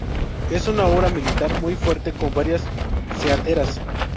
Es una obra militar muy fuerte, con varias saeteras.